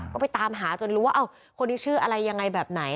ก็ไปตามหาจนรู้ว่าคนที่ชื่ออะไรยังไงแบบไหน